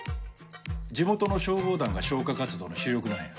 地元の消防団が消火活動の主力なんや。